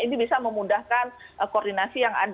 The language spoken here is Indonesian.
ini bisa memudahkan koordinasi yang ada